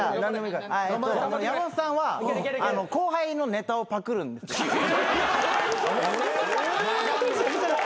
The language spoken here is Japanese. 山本さんは後輩のネタをパクるんです。え！